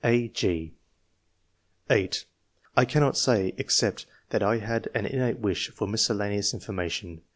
(a, g) (8) "I cannot say, except that I had an innate wish for miscellaneous information.